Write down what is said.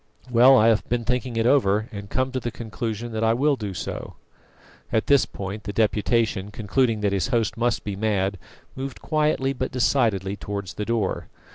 Well, I have been thinking it over, and come to the conclusion that I will do so " At this point the Deputation, concluding that his host must be mad, moved quietly but decidedly towards the door.